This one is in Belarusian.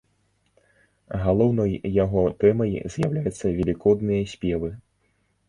Галоўнай яго тэмай з'яўляюцца велікодныя спевы.